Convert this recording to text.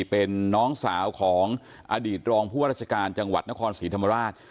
เป็นน้องสาวของอดีตรองผู้ว่าราชการจังหวัดนครศรีธรรมราช